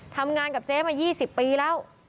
ทำงานกับเจ๊มา๒๐ปีแล้ว